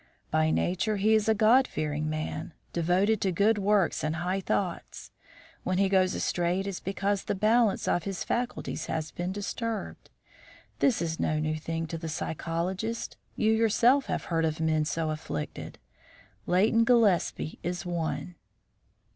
By nature he is a God fearing man, devoted to good works and high thoughts. When he goes astray it is because the balance of his faculties has been disturbed. This is no new thing to the psychologist. You yourself have heard of men so afflicted. Leighton Gillespie is one."